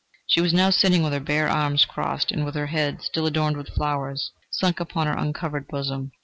She was now sitting with her bare arms crossed and with her head, still adorned with flowers, sunk upon her uncovered bosom.